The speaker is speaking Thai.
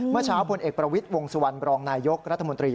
เมื่อเช้าพลเอกประวิทย์วงสุวรรณบรองนายยกรัฐมนตรี